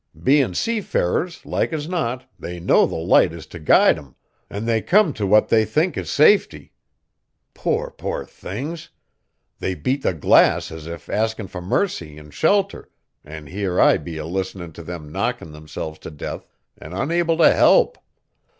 Bein' seafarers, like as not, they know the Light is t' guide 'em, an' they come t' what they think is safety. Poor, poor things! They beat the glass as if askin' fur mercy, an' shelter, an' here I be a listenin' t' them knockin' themselves t' death an' unable t' help.